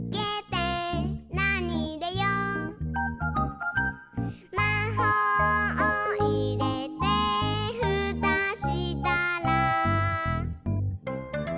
「なにいれよう？」「まほうをいれてふたしたら」